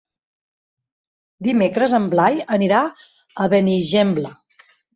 Dimecres en Blai anirà a Benigembla.